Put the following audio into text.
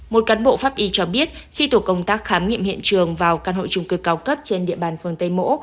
một cán bộ pháp y cho biết khi tổ công tác khám nghiệm hiện trường vào căn hội chung cư cao cấp trên địa bàn phường tây mỗ